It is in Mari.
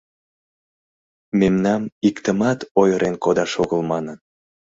Мемнам иктымат ойырен кодаш огыл манын.